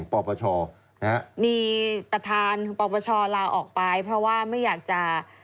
ปปชนะฮะมีประธานปปชลาออกไปเพราะว่าไม่อยากจะ